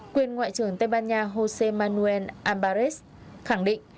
quyền ngoại trưởng tây ban nha josé manuel abbas khẳng định